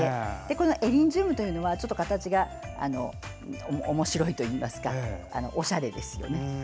エリンジウムというのは形がおもしろいといいますかおしゃれですね。